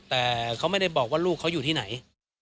แต่เขาไม่ได้บอกว่าลูกเขาอยู่ที่ไหน